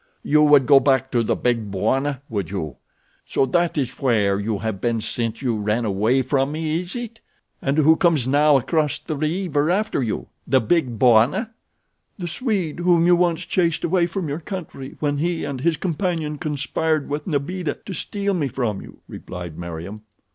"You would go back to the Big Bwana, would you? So that is where you have been since you ran away from me, is it? And who comes now across the river after you—the Big Bwana?" "The Swede whom you once chased away from your country when he and his companion conspired with Nbeeda to steal me from you," replied Meriem.